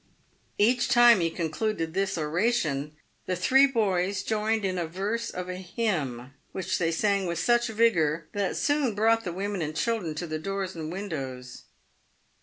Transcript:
Each time he concluded this oration, the three boys joined in a verse of a hymn, which they sang with such vigor, that it soon brought the women and children to the doors and windows.